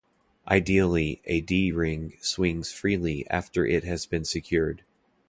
Ideally, a D-ring swings freely after it has been secured.